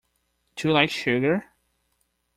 Do you like sugar?